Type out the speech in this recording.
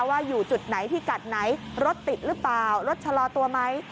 ว่าอยู่จุดไหนพิกัดไหนรถติดหรือเปล่ารถชะลอตัวไหม